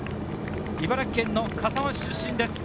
茨城県笠間市出身です。